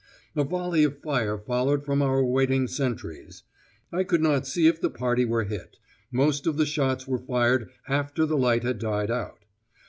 A volley of fire followed from our waiting sentries. I could not see if the party were hit; most of the shots were fired after the light had died out.